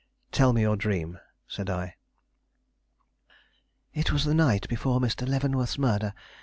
"Tell me your dream," said I. "It was the night before Mr. Leavenworth's murder.